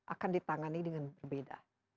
akan ditangani dengan berbeda